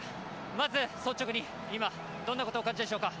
まず率直に今、どんなことをお感じでしょうか。